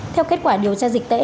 theo kết quả điều tra dịch tễ